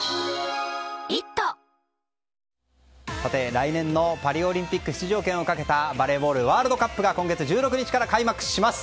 さて、来年のパリオリンピック出場権をかけたバレーボールワールドカップが今月１６日から開幕します。